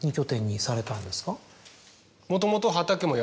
もともと。